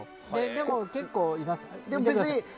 でも、結構います。